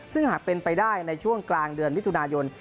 ซึ่งหากเป็นไปได้ในช่วงกลางเดือนมิถุนายน